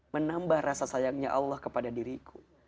menambah rasa sayangnya allah kepada diriku